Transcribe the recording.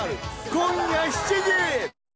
今夜７時。